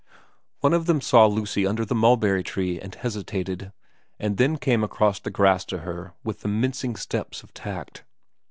One of them saw Lucy under the mulberry tree and hesitated, and then came across the grass to her with the mincing steps of tact.